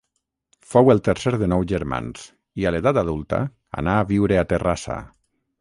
Fou el tercer de nou germans i a l'edat adulta anà a viure a Terrassa.